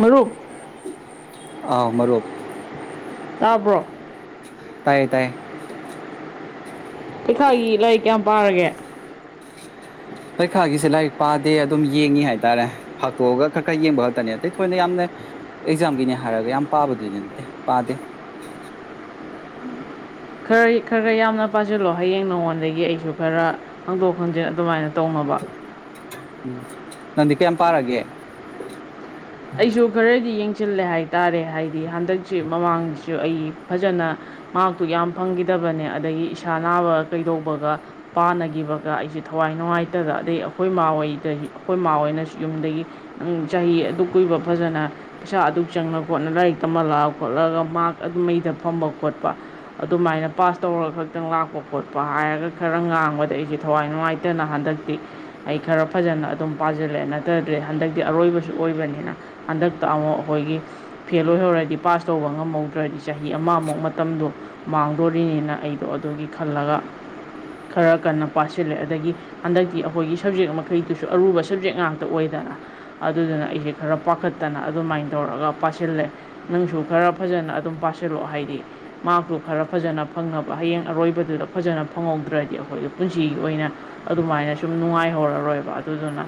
ꯃꯔꯨꯞ ꯑ ꯃꯔꯨꯞ ꯇꯥꯕ꯭ꯔꯣ ꯇꯥꯏꯌꯦ ꯇꯥꯏꯌꯦ [unintelligible] ꯄꯩꯈꯥꯒꯤ ꯂꯥꯏꯔꯤꯛ ꯀꯌꯥꯝ ꯄꯥꯔꯒꯦ ꯄꯔꯤꯈꯥꯒꯤꯁꯦ ꯂꯥꯏꯔꯤꯛ ꯄꯥꯗꯦ ꯑꯗꯨꯝ ꯌꯦꯡꯉꯤ ꯍꯥꯏꯇꯥꯔꯦ ꯐꯥꯛꯇꯣꯛꯑꯒ ꯈꯔ ꯈꯔ ꯌꯦꯡꯕ ꯈꯛꯇꯅꯦ ꯑꯇꯩ ꯊꯣꯏꯅ ꯌꯥꯝꯅ ꯑꯦꯛꯖꯥꯝꯒꯤꯅꯦ ꯍꯥꯏꯔꯒ ꯌꯥꯝ ꯄꯥꯕꯗꯨꯅꯤ ꯅꯠꯇꯦ ꯄꯥꯗꯦ ꯈꯔ ꯈꯔꯛ ꯈꯔꯛ ꯌꯥꯝꯅ ꯄꯥꯁꯤꯜꯂꯣ ꯍꯌꯦꯡ ꯅꯉꯣꯟꯗꯒꯤ ꯑꯩꯁꯨ ꯈꯔ ꯍꯪꯗꯣꯛ ꯍꯪꯖꯤꯟ ꯑꯗꯨꯃꯥꯏꯅ ꯇꯧꯅꯕ ꯎꯝ ꯅꯪꯗꯤ ꯀꯌꯥꯝ ꯄꯥꯔꯒꯦ ꯑꯩꯁꯨ ꯈꯔꯗꯤ ꯌꯦꯡꯁꯤ ꯆꯤꯜꯂꯦ ꯍꯥꯏꯇꯥꯔꯦ ꯍꯥꯏꯗꯤ ꯍꯟꯗꯛꯁꯤ ꯃꯃꯥꯡꯗꯁꯨ ꯑꯩ ꯐꯖꯅ ꯃꯥꯔꯛꯇꯨ ꯌꯥꯝ ꯐꯪꯈꯤꯗꯕꯅꯦ ꯑꯗꯒꯤ ꯏꯁꯥ ꯅꯥꯕ ꯀꯩꯗꯧꯕꯒ ꯄꯥꯟꯅꯈꯤꯕꯒ ꯑꯩꯁꯦ ꯊꯋꯥꯏ ꯅꯨꯡꯉꯥꯏꯇꯗ ꯑꯗꯩ ꯑꯩꯈꯣꯏ ꯏꯃꯥ ꯍꯣꯏꯗ ꯑꯩꯈꯣꯏ ꯏꯃꯥ ꯍꯣꯏꯅꯁꯨ ꯌꯨꯝꯗꯒꯤ ꯅꯪ ꯆꯍꯤ ꯑꯗꯨꯛ ꯀꯨꯏꯕ ꯐꯖꯅ ꯄꯩꯁꯥ ꯑꯗꯨ ꯆꯪꯅ ꯈꯣꯠꯅ ꯂꯥꯏꯔꯤꯛ ꯇꯝꯍꯜꯂ ꯈꯣꯠꯂꯛꯒ ꯃꯥꯔꯛ ꯑꯗꯨ ꯃꯩꯗ ꯐꯝꯕ ꯈꯣꯠꯄ ꯑꯗꯨꯃꯥꯏꯅ ꯄꯥꯁ ꯇꯧꯔꯒ ꯈꯛꯇꯪ ꯂꯥꯛꯄ ꯈꯣꯠꯄ ꯍꯥꯏꯔꯒ ꯈꯔ ꯉꯥꯡꯕꯗ ꯑꯩꯁꯦ ꯊꯋꯥꯏ ꯅꯨꯡꯉꯥꯏꯇꯅ ꯍꯟꯗꯛꯇꯤ ꯑꯩ ꯈꯔ ꯐꯖꯅ ꯑꯗꯨꯝ ꯄꯥꯁꯤꯜꯂꯦ ꯅꯠꯇꯗ꯭ꯔꯤ ꯍꯟꯗꯛꯇꯤ ꯑꯔꯣꯏꯕꯁꯨ ꯑꯣꯏꯕꯅꯤ ꯅ ꯍꯟꯗꯛꯇ ꯑꯃꯨꯛ ꯑꯩꯈꯣꯏꯒꯤ ꯐꯦꯜ ꯑꯣꯏꯍꯧꯔꯗꯤ ꯄꯥꯁ ꯇꯧꯕ ꯉꯝꯍꯧꯗ꯭ꯔꯗꯤ ꯆꯍꯤ ꯑꯃꯃꯨꯛ ꯃꯇꯝꯗꯣ ꯃꯥꯡꯗꯣꯔꯤꯅꯦꯅ ꯑꯩꯗꯣ ꯑꯗꯨꯒꯤ ꯈꯜꯂꯒ ꯈꯔ ꯀꯟꯅ ꯄꯥꯁꯤꯜꯂꯦ ꯑꯗꯒꯤ ꯍꯟꯗꯛꯇꯤ ꯑꯩꯈꯣꯏꯒꯤ ꯁꯕꯖꯦꯛ ꯃꯈꯩꯗꯨꯁꯨ ꯑꯔꯨꯕ ꯁꯕꯖꯦꯛ ꯉꯥꯛꯇ ꯑꯣꯏꯗꯅ ꯑꯗꯨꯗꯨꯅ ꯑꯩꯁꯦ ꯈꯔ ꯄꯥꯈꯠꯇꯅ ꯑꯗꯨꯃꯥꯏꯅ ꯇꯧꯔꯒ ꯄꯥꯁꯤꯜꯂꯦ ꯅꯪꯁꯨ ꯈꯔ ꯐꯖꯅ ꯑꯗꯨꯝ ꯄꯥꯁꯤꯜꯂꯛꯑꯣ ꯍꯥꯏꯗꯤ ꯃꯥꯔꯛꯇꯨ ꯈꯔ ꯐꯖꯅ ꯐꯪꯅꯕ ꯍꯌꯦꯡ ꯑꯔꯣꯏꯕꯗꯨꯗ ꯐꯖꯅ ꯐꯪꯍꯧꯗ꯭ꯔꯗꯤ ꯑꯩꯈꯣꯏꯗ ꯄꯨꯟꯁꯤꯒꯤ ꯑꯣꯏꯅ ꯑꯗꯨꯃꯥꯏꯅ ꯁꯨꯝ ꯅꯨꯡꯉꯥꯏꯍꯧꯔ ꯔ‌ꯣꯏꯕ ꯑꯗꯨꯗꯨꯅ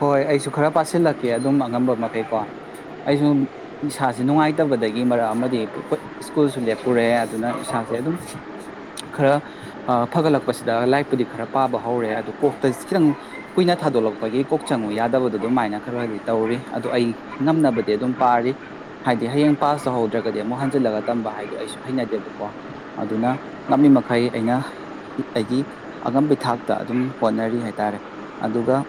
ꯍꯣꯏ ꯑꯩꯁꯨ ꯈꯔ ꯄꯥꯁꯤꯜꯂꯛꯀꯦ ꯑꯗꯨꯝ ꯑꯉꯝꯕ ꯃꯈꯩꯀꯣ ꯑꯩꯁꯨ ꯏꯁꯥꯁꯦ ꯅꯨꯡꯉꯥꯏꯇꯕꯗꯒꯤ ꯃꯔꯛ ꯑꯃꯗꯤ ꯁ꯭ꯀꯨꯜꯁꯨ ꯂꯦꯞꯄꯨꯔꯦ ꯑꯗꯨꯅ ꯏꯁꯥꯁꯦ ꯑꯗꯨꯝ ꯈꯔ ꯐꯒꯠꯂꯛꯄꯁꯤꯗ ꯂꯥꯏꯔꯤꯛꯄꯨꯗꯤ ꯈꯔ ꯄꯥꯕ ꯍꯧꯔꯦ ꯑꯗꯨ ꯀꯣꯛꯇ ꯈꯤꯇꯪ ꯀꯨꯏꯅ ꯊꯥꯗꯣꯛꯂꯛꯄꯒꯤ ꯀꯣꯛ ꯆꯪꯉꯨ ꯌꯥꯗꯕꯗꯣ ꯑꯗꯨꯃꯥꯏꯅ ꯈꯔ ꯈꯔꯗꯤ ꯇꯧꯔꯤ ꯑꯗꯣ ꯑꯩ ꯉꯝꯅꯕꯗꯤ ꯑꯗꯨꯝ ꯄꯥꯔꯤ ꯍꯥꯏꯗꯤ ꯍꯌꯦꯡ ꯄꯥꯁ ꯇꯧꯍꯧꯗ꯭ꯔꯒꯗꯤ ꯑꯃꯨꯛ ꯍꯟꯖꯤꯜꯂꯒ ꯇꯝꯕ ꯍꯥꯏꯗꯣ ꯑꯩꯁꯨ ꯍꯩꯅꯗꯦꯕꯀꯣ ꯑꯗꯨꯅ ꯉꯝꯃꯤ ꯃꯈꯩ ꯑꯩꯅ ꯑꯩꯒꯤ ꯑꯉꯝ ꯊꯥꯛꯇ ꯑꯗꯨꯝ ꯍꯣꯠꯅꯔꯤ ꯍꯥꯏꯇꯥꯔꯦ ꯑꯗꯨꯒ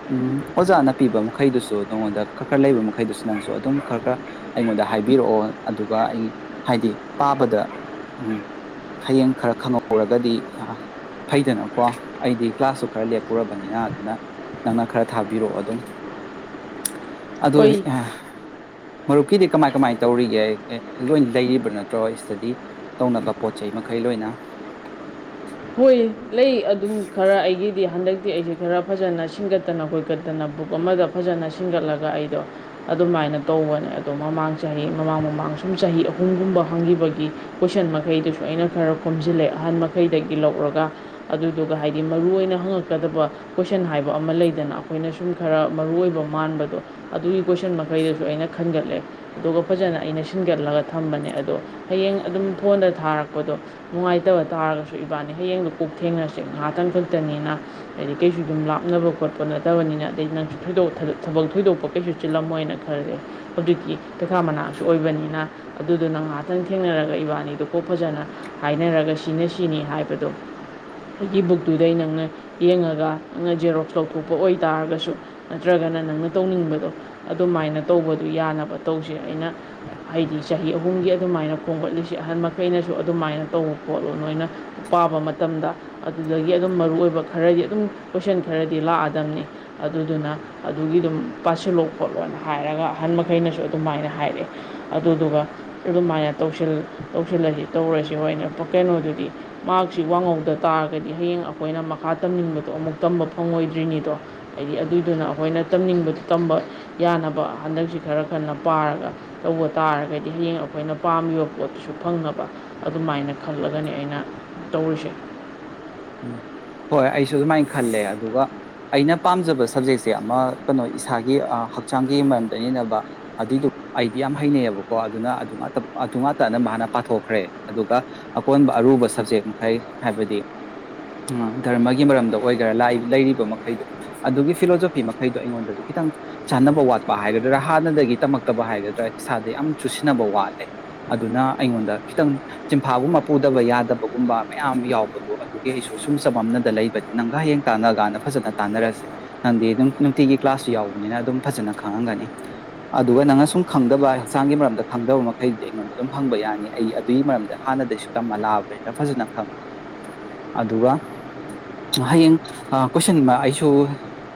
ꯑꯣꯖꯥꯅ ꯄꯤꯕ ꯃꯈꯩꯗꯨꯁꯨ ꯅꯉꯣꯟꯗ ꯈꯔ ꯈꯔ ꯂꯩꯕ ꯃꯈꯩꯗꯨꯁꯨ ꯅꯪꯁꯨ ꯑꯗꯨꯝ ꯈꯔ ꯈꯔ ꯑꯩꯉꯣꯟꯗ ꯍꯥꯏꯕꯤꯔꯛꯑꯣ ꯑꯗꯨꯒ ꯑꯩ ꯍꯥꯏꯗꯤ ꯄꯥꯕꯗ ꯍꯌꯦꯡ ꯈꯔ ꯈꯪꯍꯧꯔꯒꯗꯤ ꯐꯩꯗꯅꯀꯣ ꯑꯩꯗꯤ ꯀ꯭ꯂꯥꯁꯇꯁꯨ ꯈꯔ ꯂꯦꯞꯄꯨꯔꯕꯅꯤꯅ ꯑꯗꯨꯅ ꯅꯪꯅ ꯈꯔ ꯊꯥꯕꯤꯔꯛꯑꯣ ꯑꯗꯨꯝ ꯑꯗꯨ ꯍꯣꯏ ꯃꯔꯨꯞꯀꯤꯗꯤ ꯀꯃꯥꯏ ꯀꯃꯥꯏ ꯇꯧꯔꯤꯒꯦ ꯂꯣꯏꯅ ꯂꯩꯔꯤꯕ꯭ꯔꯥ ꯅꯠꯇ꯭ꯔꯣ ꯏꯁꯇꯗꯤ ꯇꯧꯅꯕ ꯄꯣꯠ ꯆꯩꯩ ꯃꯈꯩ ꯂꯣꯏꯅ ꯍꯣꯏ ꯂꯩ ꯑꯗꯨꯝ ꯈꯔ ꯑꯩꯒꯤꯗꯤ ꯍꯟꯗꯛ ꯗꯤ ꯑꯩꯁꯦ ꯈꯔ ꯐꯖꯅ ꯁꯤꯡꯒꯠꯇꯅ ꯀꯣꯏꯀꯠꯇꯅ ꯕꯨꯛ ꯑꯃꯗ ꯐꯖꯅ ꯁꯤꯡꯒꯠꯂꯒ ꯑꯩꯗꯣ ꯑꯗꯨꯃꯥꯏꯅ ꯇꯧꯕꯅꯦ ꯑꯗꯣ ꯃꯃꯥꯡ ꯆꯍꯤ ꯃꯃꯥꯡ ꯃꯃꯥꯡ ꯁꯨꯝ ꯆꯍꯤ ꯑꯍꯨꯝꯒꯨꯝꯕ ꯍꯪꯈꯤꯕꯒꯤ ꯀꯣꯏꯁꯟ ꯃꯈꯩꯗꯨꯁꯨ ꯑꯩꯅ ꯈꯔ ꯈꯣꯝꯖꯤꯜꯂꯦ ꯑꯍꯟ ꯃꯈꯩ ꯗꯦꯛꯒꯤ ꯂꯧꯔꯒ ꯑꯗꯨꯗꯨꯒ ꯍꯥꯏꯗꯤ ꯃꯔꯨꯑꯣꯏꯅ ꯍꯪꯉꯛꯀꯗꯕ ꯀꯣꯏꯁꯟ ꯍꯥꯏꯕ ꯑꯃ ꯂꯩꯗꯅ ꯑꯩꯈꯣꯏꯅ ꯁꯨꯝ ꯈꯔ ꯃꯔꯨ ꯑꯣꯏꯕ ꯃꯥꯟꯕꯗꯣ ꯑꯗꯨꯒꯤ ꯀꯣꯏꯁꯟ ꯃꯈꯩꯗꯁꯨ ꯑꯩꯅ ꯈꯟꯒꯠꯂꯦ ꯑꯗꯨꯒ ꯐꯖꯅ ꯑꯩꯅ ꯁꯤꯟꯒꯠꯂꯒ ꯊꯝꯕꯅꯦ ꯑꯗꯣ ꯍꯌꯦꯡ ꯑꯗꯨꯝ ꯐꯣꯟꯗ ꯊꯥꯔꯛꯄꯗꯣ ꯅꯨꯡꯉꯥꯏꯇꯕ ꯇꯥꯔꯒ ꯏꯕꯥꯅꯤ ꯍꯌꯦꯡꯗꯣ ꯀꯣꯛ ꯊꯦꯡꯅꯔꯁꯦ ꯉꯥꯏꯍꯥꯛꯇꯪ ꯈꯛꯇꯅꯤꯅ ꯑꯗꯩ ꯀꯩꯁꯨ ꯑꯗꯨꯝ ꯂꯥꯞꯅꯕ ꯈꯣꯠꯄ ꯅꯠꯇꯕꯅꯤꯅ ꯑꯗꯩ ꯅꯪꯁꯨꯗ ꯊꯕꯛ ꯊꯣꯏꯗꯣꯛꯄ ꯀꯩꯁꯨ ꯆꯤꯜꯂꯝꯃꯣꯏꯅ ꯈꯜꯂꯦ ꯍꯧꯖꯤꯛꯇꯤ ꯇꯩꯈꯥ ꯃꯅꯥꯛꯁꯨ ꯑꯣꯏꯕꯅꯤꯅ ꯑꯗꯨꯗꯨꯅ ꯉꯥꯏꯍꯥꯛꯇꯪ ꯊꯦꯡꯅꯔꯒ ꯏꯕꯥꯅꯤꯗꯣ ꯀꯣꯛ ꯐꯖꯅ ꯍꯥꯏꯅꯔꯒ ꯁꯤꯖꯤꯟꯅ ꯁꯤꯅꯤ ꯍꯥꯏꯕꯗꯣ ꯑꯩꯒꯤ ꯕꯨꯛꯇꯨꯗꯩ ꯅꯪꯅ ꯌꯦꯡꯉꯒ ꯅꯪꯅ ꯖꯦꯔꯣꯛꯁ ꯂꯧꯊꯣꯛꯄ ꯑꯣꯏꯇꯥꯥꯔꯒꯁꯨ ꯅꯠꯇ꯭ꯔꯒꯅ ꯅꯪꯅ ꯇꯧꯅꯤꯡꯕꯗꯣ ꯑꯗꯨꯃꯥꯏꯅ ꯇꯧꯕꯗꯨꯣ ꯌꯥꯅꯕ ꯇꯧꯁꯦ ꯑꯩꯅ ꯍꯥꯏꯗꯤ ꯆꯍꯤ ꯑꯍꯨꯝꯒꯤ ꯑꯗꯨꯃꯥꯏꯅ ꯈꯣꯝꯒꯠꯂꯤꯁꯦ ꯑꯍꯟ ꯃꯈꯩꯅꯁꯨ ꯑꯗꯨꯃꯥꯏꯅ ꯇꯧꯕ ꯈꯣꯠꯂꯣ ꯅꯣꯏꯅ ꯄꯥꯕ ꯃꯇꯝꯗ ꯑꯗꯨꯗꯒꯤ ꯑꯗꯨꯝ ꯃꯔꯨꯑꯣꯏꯕ ꯈꯔꯗꯤ ꯑꯗꯨꯝ ꯀꯣꯏꯁꯟ ꯈꯔꯗꯤ ꯂꯥꯛꯑꯗꯝꯅꯤ ꯑꯗꯨꯗꯨꯅ ꯑꯗꯨꯒꯤ ꯑꯗꯨꯝ ꯄꯥꯁꯤꯜꯂꯛ ꯈꯣꯠꯂꯣꯅ ꯍꯥꯏꯔꯒ ꯑꯍꯟ ꯃꯈꯩꯅꯁꯨ ꯑꯗꯨꯃꯥꯏꯅ ꯍꯥꯏꯔꯛꯑꯦ ꯑꯗꯨꯗꯨꯒ ꯑꯗꯨꯃꯥꯏꯅ ꯇꯧꯁꯤꯜ ꯁꯜꯂꯁꯤ ꯇꯧꯔꯁꯤ ꯍꯣꯏꯅꯦ ꯀꯩꯅꯣꯗꯨꯗꯤ ꯃꯥꯛꯁꯤ ꯋꯥꯡꯍꯧꯗ ꯇꯥꯔꯒꯗꯤ ꯍꯌꯦꯡ ꯑꯩꯈꯣꯏꯅ ꯃꯈꯥ ꯇꯝꯅꯤꯡꯕꯗꯣ ꯑꯃꯨꯛ ꯇꯝꯕ ꯐꯪꯉꯣꯏꯗ꯭ꯔꯤꯅꯤꯗꯣ ꯍꯥꯏꯗꯤ ꯑꯗꯨꯏꯗꯨꯅ ꯑꯩꯈꯣꯏꯅ ꯇꯝꯅꯤꯡꯕꯗ ꯇꯝꯕ ꯌꯥꯅꯕ ꯍꯟꯗꯛꯁꯤ ꯈꯔ ꯈꯟꯅ ꯄꯥꯔꯒ ꯇꯧꯕ ꯇꯥꯔꯒꯗꯤ ꯍꯌꯦꯡ ꯑꯩꯈꯣꯏꯅ ꯄꯥꯝꯃꯤꯕ ꯄꯣꯠꯇꯨꯁꯨ ꯐꯪꯅꯕ ꯑꯗꯨꯃꯥꯏꯅ ꯈꯜꯂꯒꯅꯤ ꯑꯩꯅ ꯇꯧꯔꯤꯁꯦ ꯎꯝ ꯍꯣꯏ ꯑꯩꯁꯨ ꯑꯗꯨꯃꯥꯏꯅ ꯈꯜꯂꯦ ꯑꯗꯨꯒ ꯑꯩꯅ ꯄꯥꯝꯖꯕ ꯁꯕꯖꯦꯛꯁꯦ ꯑꯃ ꯀꯩꯅꯣ ꯏꯁꯥꯒꯤ ꯍꯛꯆꯥꯡꯒꯤ ꯃꯔꯝꯗꯅꯤꯅꯕ ꯑꯗꯨꯏꯗꯣ ꯑꯩꯗꯤ ꯌꯥꯝ ꯍꯩꯅꯩꯌ‌ꯦꯕꯀꯣ ꯑꯗꯨꯅ ꯑꯗꯨ ꯉꯛꯇ ꯑꯗꯨ ꯉꯥꯛꯇ ꯑꯅꯝꯕ ꯍꯥꯟꯅ ꯄꯥꯊꯣꯛꯈ꯭ꯔꯦ ꯑꯗꯨꯒ ꯑꯀꯣꯟꯕ ꯑꯔꯨꯕ ꯁꯕꯖꯦꯛ ꯃꯈꯩ ꯍꯥꯏꯕꯗꯤ ꯙꯔꯃꯒꯤ ꯃꯔꯝꯗ ꯑꯣꯏꯒꯦꯔꯥ ꯂꯩꯔꯤꯕ ꯃꯈꯩꯗꯣ ꯑꯗꯨꯒꯤ ꯐꯤꯂꯣꯖꯣꯐꯤ ꯃꯈꯩꯗꯣ ꯑꯩꯉꯣꯟꯗꯗꯤ ꯈꯤꯇꯪ ꯆꯥꯟꯅꯕ ꯋꯥꯠꯄ ꯍꯥꯏꯒꯗ꯭ꯔꯥ ꯍꯥꯟꯅꯗꯒꯤ ꯇꯝꯃꯛꯇꯕ ꯍꯥꯏꯒꯗ꯭ꯔꯥ ꯏꯁꯥꯗ ꯌꯥꯝ ꯆꯨꯁꯤꯟꯅꯕ ꯋꯥꯠꯂꯦ ꯑꯗꯨꯅ ꯑꯩꯉꯣꯟꯗ ꯈꯤꯇꯪ ꯆꯤꯟꯐꯥꯒꯨꯝꯕ ꯄꯨꯗꯕ ꯌꯥꯗꯕꯒꯨꯝꯕ ꯃꯌꯥꯝ ꯌꯥꯎꯕꯗꯣ ꯑꯗꯨꯒꯤ ꯑꯩꯁꯨ ꯁꯨꯝ ꯆꯃꯝꯅꯗ ꯂꯩꯕꯅꯦ ꯅꯪꯒ ꯍꯌꯦꯡ ꯇꯥꯟꯅ ꯀꯥꯟꯗ ꯐꯖꯅ ꯇꯥꯟꯅꯔꯁꯦ ꯅꯪꯗꯤ ꯑꯗꯨꯝ ꯅꯨꯡꯇꯤꯒꯤ ꯀ꯭ꯂꯥꯁꯁꯨ ꯌꯥꯎꯕꯅꯤꯅ ꯑꯗꯨꯝ ꯐꯖꯅ ꯈꯪꯉꯝꯒꯅꯤ ꯑꯗꯨꯒ ꯅꯪꯅ ꯁꯨꯝ ꯈꯪꯗꯕ ꯍꯛꯆꯥꯡꯒꯤ ꯃꯔꯝꯗ ꯈꯪꯗꯕ ꯃꯈꯩꯗꯤ ꯑꯩꯉꯣꯟꯗ ꯑꯗꯨꯝ ꯍꯪꯕ ꯌꯥꯅꯤ ꯑꯩ ꯑꯗꯨꯏ ꯃꯔꯝꯗ ꯍꯥꯟꯅꯗꯒꯤꯁꯨ ꯇꯝꯃ ꯂꯥꯛꯑꯕꯅꯤꯅ ꯐꯖꯅ ꯈꯪꯉꯦ ꯑꯗꯨꯒ ꯍꯌꯦꯡ ꯀꯣꯏꯁꯟꯃ ꯑꯩꯁꯨ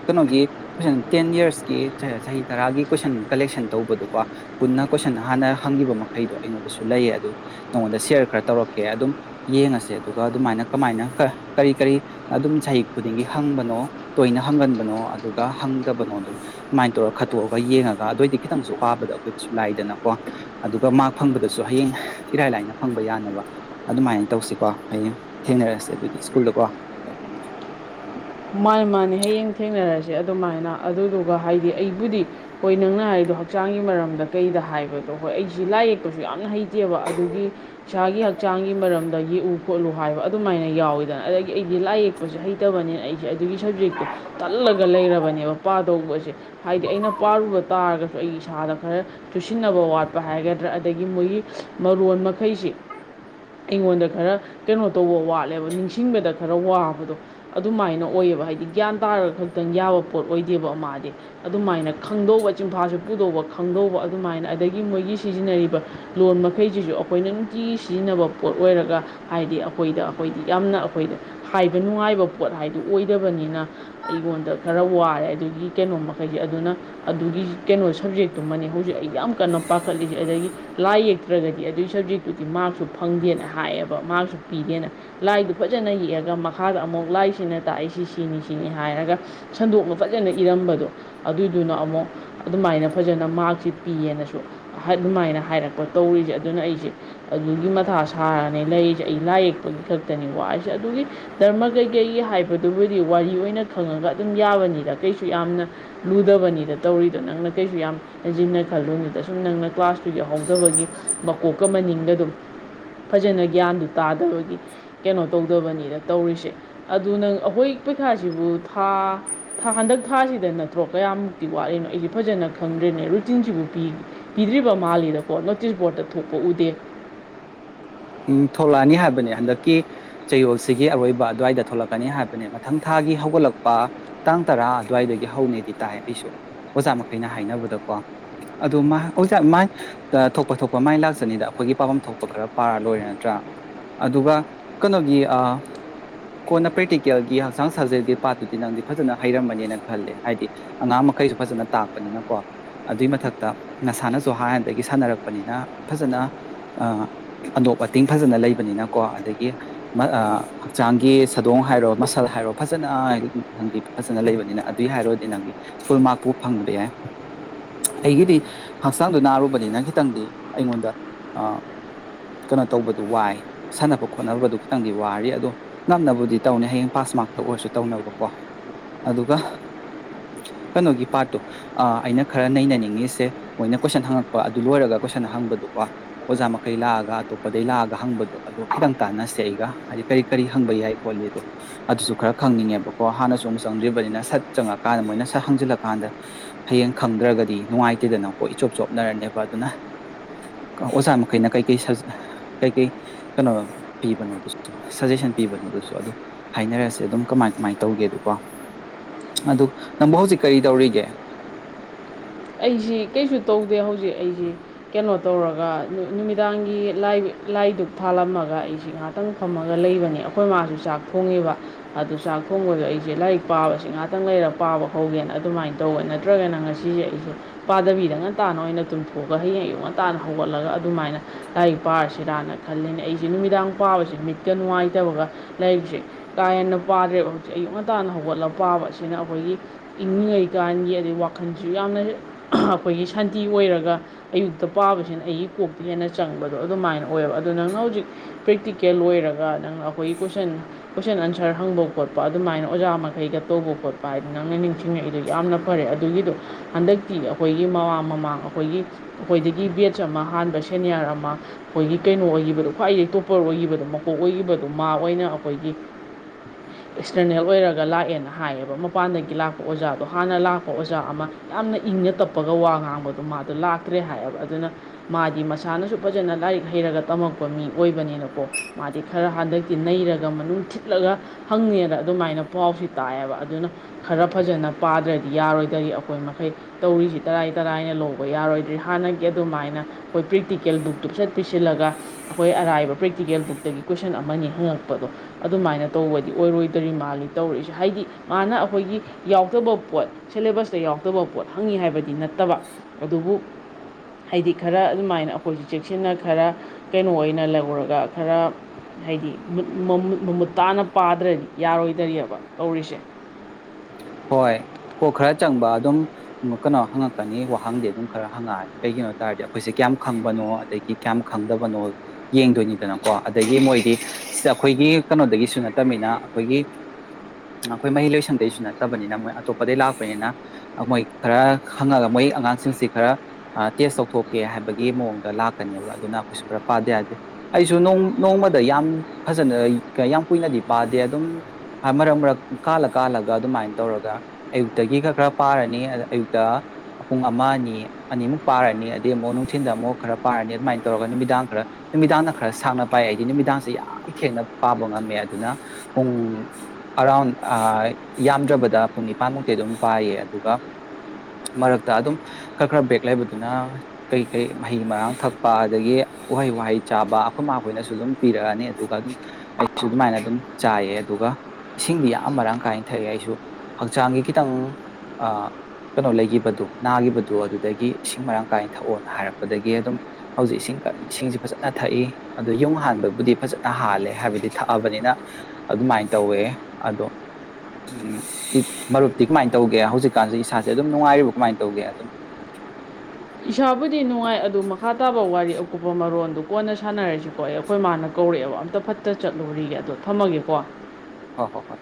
ꯀꯩꯅꯣꯒꯤ ꯀ‌ꯣꯏꯁꯟ ꯇꯦꯟ ꯏꯌꯥꯔꯁꯀꯤ ꯆꯍꯤ ꯇꯔꯥꯒꯤ ꯀꯣꯏꯁꯟ ꯀꯂꯦꯛꯁꯟ ꯇꯧꯕꯗ‌ꯣꯀꯣ ꯄꯨꯟꯅ ꯀꯣꯏꯁꯟ ꯍꯥꯟꯅ ꯍꯪꯈꯤꯕ ꯃꯈꯩꯗꯣ ꯑꯩꯉꯣꯟꯗꯁꯨ ꯂꯩꯌꯦ ꯑꯗꯨ ꯅꯪꯉꯣꯟꯗ ꯁꯌꯔ ꯈꯔ ꯇꯧꯔꯛꯀꯦ ꯑꯗꯨꯝ ꯌꯦꯡꯉꯁꯦ ꯑꯗꯨꯒ ꯑꯗꯨꯃꯥꯏꯅ ꯀꯃꯥꯏꯅ ꯀꯔꯤ ꯀꯔꯤ ꯑꯗꯨꯝ ꯆꯍꯤ ꯈꯨꯗꯤꯡꯒꯤ ꯍꯪꯕꯅꯣ ꯇꯣꯏꯅ ꯍꯪꯒꯟꯕꯅꯣ ꯑꯗꯨꯒ ꯍꯪꯗꯕꯅꯣꯗꯣ ꯑꯗꯨꯃꯥꯏꯅ ꯇꯧꯔ ꯈꯠꯇꯣꯛꯑꯒ ꯌꯦꯡꯉꯒ ꯑꯗꯨꯑꯣꯏꯗꯤ ꯈꯤꯇꯪꯁꯨ ꯄꯥꯕꯗ ꯑꯩꯈꯣꯏꯗꯁꯨ ꯂꯥꯏꯗꯅꯀꯣ ꯑꯗꯨꯒ ꯃꯥꯛ ꯐꯪꯕꯗꯁꯨ ꯍꯌꯦꯡ ꯏꯔꯥꯏ ꯂꯥꯏꯅ ꯐꯪꯕ ꯌꯥꯅꯕ ꯑꯗꯨꯃꯥꯏꯅ ꯇꯧꯁꯤꯀꯣ ꯍꯌꯦꯡ ꯊꯦꯡꯅꯔꯁꯦ ꯑꯗꯨꯗꯤ ꯁ꯭ꯀꯨꯜꯗꯀꯣ ꯃꯥꯅꯦ ꯃꯥꯅꯦ ꯍꯌꯦꯡ ꯊꯦꯡꯅꯔꯁꯦ ꯑꯗꯨꯃꯥꯏꯅ ꯑꯗꯨꯗꯨꯒ ꯍꯥꯏꯗꯤ ꯑꯩꯕꯨꯗꯤ ꯍꯣꯏ ꯅꯪꯅ ꯍꯥꯏꯔꯤꯗꯣ ꯍꯛꯆꯥꯡꯒꯤ ꯃꯔꯝꯗ ꯀꯩꯗ ꯍꯥꯏꯕꯗꯣ ꯍꯣꯏ ꯑꯩꯁꯤ ꯂꯥꯏ ꯌꯦꯛꯄꯁꯨ ꯌꯥꯝꯅ ꯍꯩꯇꯦꯕ ꯑꯗꯨꯒꯤ ꯏꯁꯥꯒꯤ ꯍꯛꯆꯥꯡꯒꯤ ꯃꯔꯝꯗ ꯌꯦꯛꯎ ꯈꯣꯠꯂꯨ ꯍꯥꯏꯕ ꯑꯗꯨꯃꯥꯏꯅ ꯌꯥꯎꯋꯤꯗꯅ ꯑꯗꯒꯤ ꯑꯩꯗꯤ ꯂꯥꯏ ꯌꯦꯛꯄꯁꯦ ꯍꯩꯇꯕꯅꯤꯅ ꯑꯩ ꯁ ꯑꯗꯨꯒꯤ ꯁꯕꯖꯦꯛꯇꯣ ꯇꯜꯂꯒ ꯂꯩꯔꯕꯅꯦꯕ ꯄꯥꯗꯧꯕꯁꯦ ꯍꯥꯏꯗꯤ ꯑꯩꯅ ꯄꯥꯔꯨꯕ ꯇꯥꯔꯒꯁꯨ ꯑꯩ ꯏꯁꯥꯗ ꯈꯔ ꯆꯨꯁꯤꯟꯅꯕ ꯋꯥꯠꯄ ꯍꯥꯏꯒꯗ꯭ꯔꯥ ꯑꯗꯒꯤ ꯃꯣꯏꯒꯤ ꯃꯔꯣꯟ ꯃꯈꯩꯁꯤ ꯑꯩꯉꯣꯟꯗ ꯈꯔ ꯀꯩꯅꯣ ꯇꯧꯕ ꯋꯥꯠꯂꯦꯕ ꯅꯤꯡꯁꯤꯡꯕꯗ ꯈꯔ ꯋꯥꯕꯗꯣ ꯑꯗꯨꯃꯥꯏꯅ ꯑꯣꯏꯌꯦꯕ ꯍꯥꯏꯗꯤ ꯒ꯭ꯌꯥꯟ ꯇꯥꯔꯒ ꯈꯛꯇꯪ ꯌꯥꯕ ꯄꯣꯠ ꯑꯣꯏꯗꯦꯕ ꯃꯥꯗꯤ ꯑꯗꯨꯃꯥꯏꯅ ꯈꯪꯗꯧꯕ ꯆꯤꯟꯐꯥꯁꯨ ꯄꯨꯗꯧꯕ ꯈꯪꯗꯧꯕ ꯑꯗꯨꯃꯥꯏꯅ ꯑꯗꯒꯤ ꯃꯣꯏꯒꯤ ꯁꯤꯖꯤꯟꯅꯔꯤꯕ ꯂꯣꯟ ꯃꯈꯩꯁꯤꯁꯨ ꯑꯩꯈꯣꯏꯅ ꯅꯨꯡꯇꯤꯒꯤ ꯁꯤꯖꯤꯟꯅꯕ ꯄꯣꯠ ꯑꯣꯏꯔꯒ ꯍꯥꯏꯗꯤ ꯑꯩꯈꯣꯏꯗ ꯑꯩꯈꯣꯏꯗꯤ ꯌꯥꯝꯅ ꯑꯩꯈꯣꯏꯗ ꯍꯥꯏꯕ ꯅꯨꯡꯉꯥꯏꯕ ꯄꯣꯠ ꯍꯥꯏꯗꯤ ꯑꯗꯨ ꯑꯣꯏꯗꯕꯅꯤꯅ ꯑꯩꯉꯣꯟꯗ ꯈꯔ ꯋꯥꯔꯦ ꯑꯗꯒꯤ ꯀꯩꯅꯣ ꯃꯈꯩꯗꯤ ꯑꯗꯨꯅ ꯑꯗꯨꯒꯤ ꯀꯩꯅꯣ ꯁꯕꯖꯦꯛꯇꯨꯃꯅꯦ ꯍꯧꯖꯤꯛ ꯑꯩ ꯌꯥꯝ ꯀꯟꯅ ꯄꯥꯈꯠꯂꯤꯁꯤ ꯑꯗꯒꯤ ꯂꯥꯏ ꯌꯦꯛ ꯅꯠꯇ꯭ꯔꯒꯗꯤ ꯑꯗꯨꯒꯤ ꯁꯕꯖꯦꯛꯇꯨꯗꯤ ꯃꯥꯔꯛꯁꯨ ꯐꯪꯗꯦꯅ ꯍꯥꯏꯌꯦꯕ ꯃꯥꯔꯛꯁꯨ ꯄꯤꯒꯦꯅ ꯂꯥꯏꯗꯨ ꯐꯖꯅ ꯌꯦꯛꯑꯒ ꯃꯈꯥꯗ ꯑꯃꯨꯛ ꯂꯥꯏ ꯁꯤꯅ ꯇꯥꯛꯏꯁꯤ ꯁꯤꯅꯤ ꯁꯤꯅꯤ ꯍꯥꯏꯔꯒ ꯁꯟꯗꯣꯛꯅ ꯐꯖꯅ ꯏꯔꯝꯕꯗꯣ ꯑꯗꯨꯏꯗꯨꯅ ꯑꯃꯨꯛ ꯑꯗꯨꯃꯥꯏꯅ ꯐꯖꯅ ꯃꯥꯛꯁ‌ꯦ ꯄꯤꯌꯦꯅꯁꯨ ꯑꯗꯨꯃꯥꯏꯅ ꯍꯥꯏꯔꯛꯄ ꯇꯧꯔꯤꯁꯦ ꯑꯗꯨꯅ ꯑꯩꯁꯦ ꯑꯗꯨꯒꯤ ꯃꯊꯥ ꯁꯥꯔꯅꯤ ꯂꯩꯔꯤꯁꯦ ꯑꯩ ꯂꯥꯏ ꯌꯦꯛꯄꯒꯤ ꯈꯛꯇꯅꯤ ꯋꯥꯏꯁꯦ ꯑꯗꯨꯒꯤ ꯗꯔꯃ ꯀꯩꯀꯩꯒꯤ ꯍꯥꯏꯕꯗꯨꯕꯨꯗꯤ ꯋꯥꯔꯤ ꯑꯣꯏꯅ ꯈꯪꯉꯒ ꯑꯗꯨꯝ ꯌꯥꯕꯅꯤꯗ ꯀꯩꯁꯨ ꯌꯥꯝꯅ ꯂꯨꯗꯕꯅꯤꯗ ꯇꯧꯔꯤꯗꯣ ꯅꯪꯅ ꯀꯩꯁꯨ ꯌꯥꯝ ꯍ‌ꯦꯟꯖꯤꯟꯅ ꯈꯜꯂꯨꯅꯨꯗ ꯁꯨꯝ ꯅꯪꯅ ꯀ꯭ꯂꯥꯁꯇꯨ ꯌꯥꯎꯍꯧꯗꯕꯒꯤ ꯃꯀꯣꯛꯀ ꯃꯅꯤꯡꯗ ꯑꯗꯨꯨꯝ ꯐꯖꯅ ꯒ꯭ꯌꯥꯟꯗꯨ ꯇꯥꯗꯕꯒꯤ ꯀꯩꯅꯣ ꯇꯧꯗꯕꯅꯤꯅ ꯇꯧꯔꯤꯁꯦ ꯑꯗꯨ ꯅꯪ ꯑꯩꯈꯣꯏ ꯄꯩꯈꯥꯁꯤꯕꯨ ꯊꯥ ꯊꯥ ꯍꯟꯗꯛ ꯊꯥꯁꯤꯗ ꯅꯠꯇ꯭ꯔꯣ ꯀꯌꯥꯃꯨꯛꯇꯤ ꯋꯥꯠꯂꯤꯅꯣ ꯑꯩꯁꯦ ꯐꯖꯅ ꯈꯪꯗ꯭ꯔꯦꯅꯦ ꯔꯨꯇꯤꯟꯁꯤꯕꯨ ꯄꯤꯗ꯭ꯔꯤꯕ ꯃꯥꯜꯂꯤꯗꯀꯣ ꯅꯣꯇꯤꯁ ꯕꯣꯔꯠꯇ ꯄꯨꯊꯣꯛꯄ ꯎꯗꯦ ꯎꯝ ꯊꯣꯛꯂꯛꯑꯅꯤ ꯍꯥꯏꯕꯅꯦ ꯍꯟꯗꯛꯀꯤ ꯆꯌꯣꯜꯁꯤꯒꯤ ꯑꯔꯣꯏꯕ ꯑꯗꯨꯋꯥꯏꯗ ꯊꯣꯛꯂꯛꯀꯅꯤ ꯍꯥꯏꯕꯅꯦ ꯃꯊꯪ ꯊꯥꯒꯤ ꯍꯧꯒꯠꯂꯛꯄ ꯇꯥꯡ ꯇꯔꯥ ꯑꯗꯨꯋꯥꯏꯗꯒꯤ ꯍꯧꯅꯦꯗꯤ ꯇꯥꯏ ꯑꯩꯁꯨ ꯑꯣꯖꯥ ꯃꯈꯩꯅ ꯍꯥꯏꯅꯕꯗꯀꯣ ꯑꯗꯨꯝ ꯑꯣꯖꯥ ꯃꯥꯏ ꯊꯣꯛꯄ ꯊꯣꯛꯄ ꯃꯥꯏ ꯂꯥꯛꯆꯅꯤꯗ ꯑꯩꯈꯣꯏꯒꯤ ꯄꯥꯐꯝ ꯊꯣꯛꯄ ꯈꯔ ꯄꯥꯔ ꯂꯣꯏꯔꯦ ꯅꯠꯇ꯭ꯔꯥ ꯑꯗꯨꯒ ꯀꯩꯅꯣꯒꯤ ꯀꯣꯟꯅ ꯄ꯭ꯔꯦꯛꯇꯤꯀꯦꯜꯒꯤ ꯍꯛꯆꯥꯡ ꯁꯕꯖꯦꯛꯀꯤ ꯄꯥꯠꯇꯨꯗꯤ ꯅꯪꯗꯤ ꯐꯖꯅ ꯍꯩꯔꯝꯕꯅꯦꯅ ꯈꯜꯂꯦ ꯍꯥꯏꯗꯤ ꯑꯉꯥꯡ ꯃꯈꯩꯁꯨ ꯐꯖꯅ ꯇꯥꯛꯄꯅꯤꯅꯀꯣ ꯑꯗꯨꯏ ꯃꯊꯛꯇ ꯅꯁꯥꯅꯁꯨ ꯍꯥꯟꯅꯗꯒꯤ ꯁꯥꯟꯅꯔꯛꯄꯅꯤꯅ ꯐꯖꯅ ꯑꯅꯣꯞ ꯑꯇꯤꯡ ꯐꯖꯅ ꯂꯩꯕꯅꯤꯅꯀꯣ ꯑꯗꯒꯤ ꯍꯛꯆꯥꯡꯒꯤ ꯁꯥꯗꯣꯡ ꯍꯥꯏꯔꯣ ꯃꯁꯜ ꯍꯥꯏꯔꯣ ꯐꯖꯅ ꯅꯪꯗꯤ ꯐꯖꯅ ꯂꯩꯕꯅꯤꯅ ꯑꯗꯨꯒꯤ ꯍꯥꯏꯔꯨꯔꯗꯤ ꯅꯪꯒꯤ ꯐꯨꯜ ꯃꯥꯔꯛꯄꯨ ꯐꯪꯕ ꯌꯥꯏ ꯑꯩꯒꯤꯗꯤ ꯍꯛꯆꯥꯡꯗꯣ ꯅꯥꯔꯨꯕꯅꯤꯅ ꯈꯤꯇꯪꯗꯤ ꯑꯩꯉꯣꯟꯗ ꯀꯩꯅꯣ ꯇꯧꯕꯗꯨꯣ ꯋꯥꯏ ꯁꯥꯟꯅꯕ ꯈꯣꯠꯅꯕꯗ ꯈꯤꯇꯪꯗꯤ ꯋꯥꯔꯤ ꯑꯗꯣ ꯉꯝꯅꯕꯨꯗꯤ ꯇꯧꯅꯤ ꯍꯌꯦꯡ ꯄꯥꯁ ꯃꯥꯔꯛꯇ ꯑꯣꯏꯔꯁꯨ ꯇꯧꯅꯕꯀꯣ ꯑꯗꯨꯒ ꯀꯩꯅꯣꯒꯤ ꯄꯥꯔꯠꯇꯣ ꯑꯩꯅ ꯈꯔ ꯅꯩꯅꯅꯤꯡꯉꯤꯁꯦ ꯃꯣꯏꯅ ꯀꯣꯏꯁꯟ ꯍꯪꯉꯛꯄ ꯑꯗꯨ ꯂꯣꯏꯔꯒ ꯀꯣꯏꯁꯟ ꯍꯪꯕꯗꯨꯀꯣ ꯑꯣꯖꯥ ꯃꯈꯩ ꯂꯥꯛꯑꯒ ꯑꯇꯣꯞꯄꯗꯩ ꯂꯥꯛꯑꯒ ꯍꯪꯕꯗꯣ ꯑꯗꯣ ꯈꯤꯇꯪ ꯇꯥꯟꯅꯁꯦ ꯑꯩꯒ ꯍꯥꯏꯗꯤ ꯀꯔꯤ ꯀꯔꯤ ꯍꯪꯕ ꯌꯥꯏ ꯈꯣꯠꯂꯤꯗꯣ ꯑꯗꯨꯁꯨ ꯈꯔ ꯈꯪꯅꯤꯡꯉꯦꯕꯀꯣ ꯍꯥꯟꯅꯁꯨ ꯑꯃꯨꯛ ꯆꯪꯗ꯭ꯔꯤꯕꯅꯤꯅ ꯁꯠ ꯆꯪꯉꯀꯥꯟꯗ ꯃꯣꯏꯅ ꯁꯛ ꯍꯪꯖꯤꯜꯂꯀꯥꯟꯗ ꯍꯌꯦꯡ ꯈꯪꯗ꯭ꯔꯒꯗꯤ ꯅꯨꯡꯉꯥꯏꯇꯦꯗꯅꯀꯣ ꯏꯆꯣꯞ ꯆꯣꯞꯅꯔꯅꯦꯕ ꯑꯗꯨꯅ ꯑꯣꯖꯥ ꯃꯈꯩꯅ ꯀꯩꯀꯩꯖ ꯀꯩꯀꯩ ꯀꯩꯅꯣ ꯄꯤꯕꯅꯣꯗꯨꯁꯨ ꯁꯖꯦꯁꯟ ꯄꯤꯕꯅꯣꯗꯨꯁꯨ ꯑꯗꯨꯗꯣ ꯍꯥꯏꯅꯔꯁꯦ ꯑꯗꯨꯝ ꯀꯃꯥꯏ ꯀꯃꯥꯏꯅ ꯇꯧꯒꯦꯗꯨꯀꯣ ꯑꯗꯨ ꯅꯪꯕꯨ ꯍꯧꯖꯤꯛ ꯀꯔꯤ ꯇꯧꯔꯤꯒꯦ ꯑꯩꯁꯤ ꯀꯩꯁꯨ ꯇꯧꯗꯦ ꯍꯧꯖꯤꯛ ꯑꯩꯁꯤ ꯀꯩꯅꯣ ꯇꯧꯔꯒ ꯅꯨꯃꯤꯗꯥꯡꯒꯤ ꯂꯥꯏꯗꯨꯛ ꯊꯥꯔꯝꯃꯒ ꯑꯩꯁꯤ ꯉꯍꯥꯛꯇꯪ ꯐꯝꯃꯒ ꯂꯩꯕꯅꯤ ꯑꯩꯈꯣꯏ ꯃꯥꯁꯨ ꯆꯥꯛ ꯊꯣꯡꯉꯦꯕ ꯑꯗꯨ ꯆꯥꯛ ꯊꯣꯡꯕꯗꯣ ꯑꯩꯁꯦ ꯂꯥꯏꯔꯤꯛ ꯄꯥꯕꯁꯤ ꯉꯍꯥꯛꯇꯪ ꯂꯩꯔꯒ ꯄꯥꯕ ꯍꯧꯒꯦꯅ ꯑꯗꯨꯃꯥꯏꯅ ꯇꯧꯕ ꯅꯠꯇ꯭ꯔꯒꯅ ꯉꯁꯤꯁꯦ ꯑꯩꯁꯦ ꯄꯥꯗꯕꯤꯗꯪ ꯉꯟꯇꯥꯥꯅ ꯑꯣꯏꯅ ꯇꯨꯝꯊꯣꯛꯑꯒ ꯍꯌꯦꯡ ꯑꯌꯨꯛ ꯉꯟꯇꯥꯥꯟꯅ ꯍꯧꯒꯠꯂꯒ ꯑꯗꯨꯃꯥꯏꯅ ꯂꯥꯏꯔꯤꯛ ꯄꯥꯔꯁꯤꯔꯅ ꯈꯜꯂꯤꯅꯦ ꯑꯩꯁꯦ ꯅꯨꯃꯤꯗꯥꯡ ꯄꯥꯕꯁꯤ ꯃꯤꯠꯀ ꯅꯨꯡꯉꯥꯏꯇꯕꯒ ꯂꯥꯏꯔꯤꯛꯁꯦ ꯀꯥ ꯍꯦꯟꯅ ꯄꯥꯗ꯭ꯔꯦꯕ ꯍꯧꯖꯤꯛ ꯑꯌꯨꯛ ꯉꯟꯇꯥꯅ ꯍꯧꯒꯠꯂꯒ ꯄꯥ ꯑꯁꯤꯅ ꯑꯩꯈꯣꯏꯒꯤ ꯏꯪꯉꯤꯉꯩꯀꯥꯟꯒꯤ ꯑꯗꯩ ꯋꯥꯈꯜꯁꯨ ꯌꯥꯝꯅ ꯑꯩꯈꯣꯏꯒꯤ ꯁꯟꯇꯤ ꯑꯣꯏꯔꯒ ꯑꯌꯨꯛꯇ ꯄꯥꯕꯁꯤꯅ ꯑꯩꯒꯤ ꯀꯣꯛꯇꯤ ꯍꯦꯟꯅ ꯆꯪꯕꯗꯣ ꯑꯗꯨꯃꯥꯏꯅ ꯑꯣꯏꯌꯦꯕ ꯑꯗꯨꯗꯣ ꯅꯪꯅ ꯍꯧꯖꯤꯛ ꯄ꯭ꯔꯦꯛꯇꯤꯀꯦꯜ ꯂ‌ꯣꯏꯔꯒ ꯅꯪ ꯑꯩꯈꯣꯏꯒꯤ ꯀꯣꯏꯁꯟ ꯀꯣꯏꯁꯟ ꯑꯟꯁꯔ ꯍꯪꯕ ꯈꯣꯠꯄ ꯑꯗꯨꯃꯥꯏꯅ ꯑꯣꯖꯥ ꯃꯈꯩꯒ ꯇꯧꯕ ꯈꯣꯠꯄ ꯍꯥꯏꯗ ꯅꯪꯅ ꯅꯤꯡꯁꯤꯡꯉꯛꯏꯗꯨꯣ ꯌꯥꯝꯅ ꯐꯔꯦ ꯑꯗꯨꯒꯤꯗꯣ ꯍꯟꯗꯛ ꯀꯤ ꯑꯩꯈꯣꯏꯒꯤ ꯃꯃꯥꯡ ꯃꯃꯥꯡ ꯑꯩꯈꯣꯏꯒꯤ ꯑꯩꯈꯣꯏꯗꯒꯤ ꯕꯦꯆ ꯑꯃ ꯍꯥꯟꯕ ꯁꯦꯅꯤꯌꯥꯔ ꯑꯃ ꯑꯩꯈꯣꯏꯒꯤ ꯀꯩꯅꯣ ꯑꯣꯏꯒꯤꯈꯤꯕꯗꯣ ꯈ꯭ꯋꯥꯏꯗꯒꯤ ꯇꯣꯞꯄꯔ ꯑꯣꯏꯒꯤꯈꯤꯕꯗꯣ ꯃꯀꯣꯛ ꯑꯣꯏꯈꯤꯕꯗꯣ ꯃꯥ ꯑꯣꯏꯅ ꯑꯩꯈꯣꯏꯒꯤ ꯑꯦꯛꯁꯇꯔꯅꯦꯜ ꯑꯣꯏꯔꯒ ꯂꯥꯛꯑꯦꯅ ꯍꯥꯏꯌꯦꯕ ꯃꯄꯥꯟꯗꯒꯤ ꯂꯥꯛꯄ ꯑꯣꯖꯥꯗꯣ ꯍꯥꯟꯅ ꯂꯥꯛꯄ ꯑꯣꯖꯥ ꯑꯃ ꯌꯥꯝꯅ ꯏꯪꯅ ꯇꯞꯄꯒ ꯋꯥ ꯉꯥꯡꯕꯗꯣ ꯃꯥꯗꯣ ꯂꯥꯛꯇ꯭ꯔꯦ ꯍꯥꯏꯌꯦꯕ ꯑꯗꯨꯅ ꯃꯥꯗꯤ ꯃꯁꯥꯅꯁꯨ ꯐꯖꯅ ꯂꯥꯏꯔꯤꯛ ꯍꯩꯔꯒ ꯇꯝꯃꯛꯄ ꯃꯤ ꯑꯣꯏꯕꯅꯤꯅꯀꯣ ꯃꯥꯗꯤ ꯈꯔ ꯍꯟꯗꯛꯇꯤ ꯅꯩꯔꯒ ꯃꯅꯨꯡ ꯊꯤꯠꯂꯒ ꯍꯪꯉꯦꯅ ꯑꯗꯨꯃꯥꯏꯅ ꯄꯥꯎꯁꯤ ꯇꯥꯏꯌ‌ꯦꯕ ꯑꯗꯨꯅ ꯈꯔ ꯐꯖꯅ ꯄꯥꯗ꯭ꯔꯗꯤ ꯌꯥꯔꯣꯏꯗ꯭ꯔꯤ ꯑꯩ ꯃ‌ꯣꯏ ꯃꯈꯩ ꯇꯧꯔꯤꯁꯤ ꯇꯔꯥꯏ ꯇꯔꯥꯏꯅ ꯂꯧꯕ ꯌꯥꯔꯣꯏꯗ꯭ꯔꯤ ꯍꯥꯟꯅꯒꯤ ꯑꯗꯨꯃꯥꯏꯅ ꯑꯩꯈꯣꯏ ꯄ꯭ꯔꯦꯛꯇꯤꯀꯦꯜ ꯕꯨꯛꯇꯨꯨꯞꯆꯠ ꯄꯤꯁꯤꯜꯂꯒ ꯑꯩꯈꯣꯏ ꯑꯔꯥꯏꯕ ꯄ꯭ꯔꯦꯛꯇꯤꯀꯦꯜ ꯕꯨꯛ ꯗꯒꯤ ꯀꯣꯏꯁꯟ ꯑꯃꯅꯤ ꯍꯪꯉꯛꯄꯗꯣ ꯑꯗꯨꯃꯥꯏꯅ ꯇꯧꯕꯗꯤ ꯑꯣꯏꯔꯣꯏꯗ꯭ꯔꯤ ꯃꯥꯜꯂꯤ ꯇꯧꯔꯛꯏꯁꯦ ꯍꯥꯏꯗꯤ ꯃꯥꯅ ꯑꯩꯈꯣꯏꯒꯤ ꯌꯥꯎꯗꯕ ꯄꯣꯠ ꯁꯦꯂꯦꯕꯁꯇ ꯌꯥꯎꯗꯕ ꯄꯣꯠ ꯈꯪꯉꯤ ꯍꯥꯏꯕ ꯅꯠꯇꯕ ꯑꯗꯨꯕꯨ ꯍꯥꯏꯗꯤ ꯈꯔ ꯑꯗꯨꯃꯥꯏꯅ ꯑꯩꯈꯣꯏꯁꯨ ꯆꯦꯛꯁꯤꯟꯅ ꯈꯔ ꯀꯩꯅꯣ ꯑꯣꯏꯅ ꯂꯧꯔꯒ ꯈꯔ ꯍꯥꯏꯗꯤ ꯃꯃꯨꯠ ꯇꯥꯅ ꯄꯥꯗ꯭ꯔꯅꯤ ꯌꯥꯔꯣꯏꯗꯔꯤꯑꯕ ꯇꯧꯔꯤꯁꯦ ꯍꯣꯏ ꯀꯣꯛ ꯈꯔ ꯆꯪꯕ ꯑꯗꯨꯝ ꯀꯩꯅꯣ ꯍꯪꯉꯛꯀꯅꯤ ꯋꯥꯍꯪꯗꯤ ꯑꯗꯨꯝ ꯈꯔ ꯍꯪꯉꯛꯑꯅꯤ ꯀꯩꯒꯤꯅꯣ ꯍꯥꯏ ꯇꯥꯔꯗꯤ ꯑꯩꯈꯣꯏꯁꯤ ꯀꯌꯥꯝ ꯈꯪꯕꯅꯣ ꯑꯗꯒꯤ ꯀꯌꯥꯝ ꯈꯪꯗꯕꯅꯣ ꯌꯦꯡꯗꯣꯏꯅꯤꯗꯅꯀꯣ ꯑꯗꯒꯤ ꯃꯣꯏꯗꯤ ꯁꯤꯗ ꯑꯩꯈꯣꯏꯒꯤ ꯀꯩꯅꯣꯗꯒꯤꯁꯨ ꯅꯠꯇꯕꯅꯤꯅ ꯑꯩꯈꯣꯏꯒꯤ ꯑꯩꯈꯣꯏ ꯃꯍꯩ ꯂꯣꯏꯁꯪꯗꯒꯤꯁꯨ ꯅꯠꯇꯕꯅꯤꯅ ꯃꯣꯏ ꯑꯇꯣꯞꯄꯗꯩ ꯂꯥꯛꯄꯅꯤꯅ ꯃꯣꯏ ꯈꯔ ꯍꯪꯉꯒ ꯃꯣꯏ ꯑꯉꯥꯡꯁꯤꯡꯁꯤ ꯈꯔ ꯇꯦꯁ ꯇꯧꯊꯣꯛꯀꯦ ꯍꯥꯏꯕꯒꯤ ꯃꯑꯣꯡꯗ ꯂꯥꯛꯀꯅꯦꯕ ꯑꯗꯨꯅ ꯑꯩꯈꯣꯏꯁꯨ ꯈꯔ ꯄꯥꯗꯦ ꯌꯥꯗꯦ ꯑꯩꯁꯨ ꯅꯣꯡ ꯅꯣꯡꯃꯗ ꯌꯥꯝ ꯐꯖꯅ ꯀ ꯌꯥꯝ ꯀꯨꯏꯅꯗꯤ ꯄꯥꯗꯦ ꯑꯗꯨꯝ ꯍꯥ ꯃꯔꯛ ꯃꯔꯛ ꯀꯥꯜꯂ ꯀꯥꯜꯂꯒ ꯑꯗꯨꯃꯥꯏꯅ ꯇꯧꯔꯒ ꯑꯌꯨꯛꯇꯒꯤ ꯈꯔ ꯈꯔ ꯄꯥꯔꯅꯤ ꯑꯌꯨꯛꯇ ꯄꯨꯡ ꯑꯃ ꯑꯃꯅꯤ ꯑꯅꯤꯃꯨꯛ ꯄꯥꯔꯅꯤ ꯑꯗꯩ ꯑꯃꯨꯛ ꯅꯨꯡꯊꯤꯟꯗ ꯑꯃꯨꯛ ꯈꯔ ꯄꯥꯔꯅꯤ ꯑꯗꯨꯃꯥꯏꯅ ꯇꯧꯔꯒ ꯅꯨꯃꯤꯗꯥꯡ ꯈꯔ ꯅꯨꯃꯤꯗꯥꯡꯗ ꯈꯔ ꯁꯥꯡꯅ ꯄꯥꯏ ꯑꯩꯗꯤ ꯅꯨꯃꯤꯗꯥꯡꯁꯦ ꯑꯩꯗꯤ ꯌꯥꯝ ꯊꯦꯡꯅ ꯄꯥꯕ ꯉꯝꯃꯦ ꯑꯗꯨꯅ ꯄꯨꯡ ꯑꯔꯥꯎꯟ ꯑꯥ ꯌꯥꯝꯗ꯭ꯔꯕꯗ ꯄꯨꯡ ꯅꯤꯄꯥꯟꯃꯨꯛꯇꯤ ꯑꯗꯨꯝ ꯄꯥꯏꯌꯦ ꯑꯗꯨꯒ ꯃꯔꯛꯇ ꯑꯗꯨꯝ ꯈꯔ ꯈꯔ ꯕ꯭ꯔꯦꯛ ꯂꯩꯕꯗꯨꯅ ꯀꯩ ꯀꯩ ꯃꯍꯩ ꯃꯔꯥꯡ ꯊꯛꯄ ꯑꯗꯒꯤ ꯎꯍꯩ ꯋꯥꯍꯩ ꯆꯥꯕ ꯑꯩꯈꯣꯏ ꯃꯥꯍꯣꯏꯅꯁꯨ ꯑꯗꯨꯝ ꯄꯤꯔꯛꯑꯅꯤ ꯑꯗꯨꯒ ꯑꯗꯨꯝ ꯑꯩꯁꯨ ꯑꯗꯨꯃꯥꯏꯅ ꯑꯗꯨꯝ ꯆꯥꯏꯌꯦ ꯑꯗꯨꯒ ꯏꯁꯤꯡꯗꯤ ꯌꯥꯝ ꯃꯔꯥꯡ ꯀꯥꯏꯅ ꯊꯛꯑꯦ ꯑꯩꯁꯨ ꯍꯛꯆꯥꯡꯒꯤ ꯈꯤꯇꯪ ꯑ ꯀꯩꯅꯣ ꯂꯩꯈꯤꯕꯗꯣ ꯅꯥꯒꯤꯕꯗꯨ ꯑꯗꯨꯗꯒꯤ ꯏꯁꯤꯡ ꯃꯔꯥꯡ ꯀꯥꯏꯅ ꯊꯛꯑꯣꯅ ꯍꯥꯏꯔꯛꯄꯗꯒꯤ ꯑꯗꯨꯝ ꯍꯧꯖꯤꯛ ꯏꯁꯤꯡ ꯀ ꯏꯁꯤꯡꯁꯦ ꯐꯖꯅ ꯊꯛꯏ ꯑꯗꯨ ꯌꯨꯡ ꯍꯥꯟꯕꯕꯨꯗꯤ ꯐꯖꯅ ꯍꯥꯜꯂꯦ ꯍꯥꯏꯕꯗꯤ ꯊꯛꯑꯕꯅꯤꯅ ꯑꯗꯨꯃꯥꯏꯅ ꯇꯧꯋꯦ ꯑꯗꯣ ꯎꯝ ꯃꯔꯨꯞꯇꯤ ꯀꯃꯥꯏꯅ ꯇꯧꯒꯦ ꯍꯧꯖꯤꯛꯀꯥꯟꯁꯦ ꯏꯁꯥꯁꯦ ꯑꯗꯨꯝ ꯅꯨꯡꯉꯥꯏꯔꯤꯕꯣ ꯀꯃꯥꯏꯅ ꯇꯧꯒꯦ ꯑꯗꯨꯝ ꯏꯁꯥꯕꯨꯗꯤ ꯅꯨꯡꯉꯥꯏ ꯑꯗꯨ ꯃꯈꯥ ꯇꯥꯕ ꯋꯥꯔꯤ ꯑꯀꯨꯞꯄ ꯃꯔꯣꯟꯗꯨ ꯀꯣꯟꯅ ꯁꯥꯟꯅꯔꯁꯤꯀꯣ ꯑꯩ ꯑꯩꯈꯣꯏ ꯃꯥꯅ ꯀꯧꯔꯛꯑꯦꯕ ꯑꯝꯇ ꯐꯠꯇ ꯆꯠꯂꯨꯔꯤꯒꯦ ꯑꯗꯣ ꯊꯝꯃꯒꯦꯀꯣ ꯑ ꯍꯣ ꯍꯣꯏ